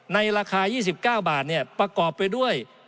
ในราคา๒๙บาทประกอบไปด้วย